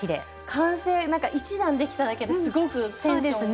完成なんか１段できただけですごくテンションが！